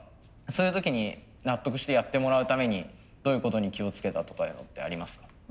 そういう時に納得してやってもらうためにどういうことに気をつけたとかいうのってありますか？